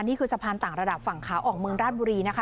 นี่คือสะพานต่างระดับฝั่งขาออกเมืองราชบุรีนะคะ